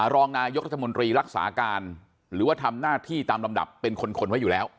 รองนายกรัฐมนตรีรักษาการหรือว่าทำหน้าที่ตามลำดับเป็นคนขนไว้อยู่แล้ว